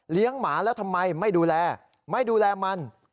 หมาแล้วทำไมไม่ดูแลไม่ดูแลมัน